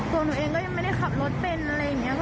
ตัวหนูเองก็ยังไม่ได้ขับรถเป็นอะไรอย่างนี้